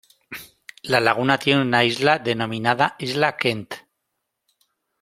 La laguna tiene una isla denominada Isla Kent.